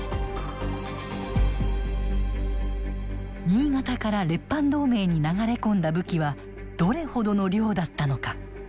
新潟から列藩同盟に流れ込んだ武器はどれほどの量だったのか。